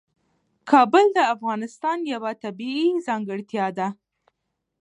کابل د افغانستان یوه طبیعي ځانګړتیا ده.